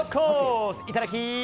いただき！